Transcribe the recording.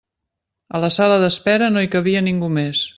A la sala d'espera no hi cabia ningú més.